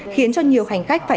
khiến cho nhiều hành khách phá hủy